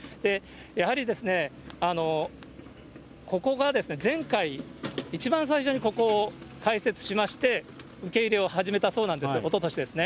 やはりここが前回、一番最初にここを開設しまして、受け入れを始めたそうなんです、おととしですね。